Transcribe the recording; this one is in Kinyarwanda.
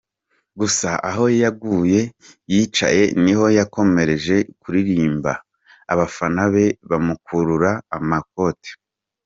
gusa aho yaguye yicaye niho yakomereje kuririmba abafana be bamukurura amakote.